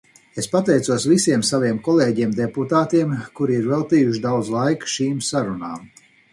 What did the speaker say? Es pateicos visiem saviem kolēģiem deputātiem, kuri ir veltījuši daudz laika šīm sarunām.